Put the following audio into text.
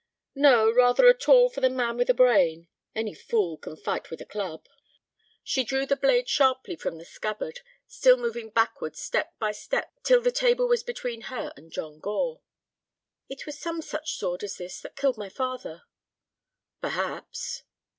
"No, rather a tool for the man with a brain. Any fool can fight with a club." She drew the blade sharply from the scabbard, still moving backward step by step till the table was between her and John Gore. "It was some such sword as this that killed my father." "Perhaps."